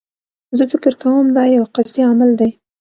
زه فکر کوم دایو قصدي عمل دی.